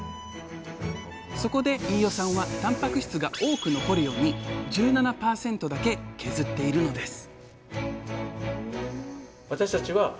そこで飯尾さんはたんぱく質が多く残るように１７％だけ削っているのです